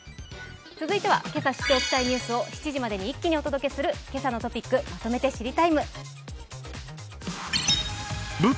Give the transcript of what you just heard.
続いてはけさ知っておきたいニュースを７時までに一気にお伝えする「けさのトピックまとめて知りＴＩＭＥ，」。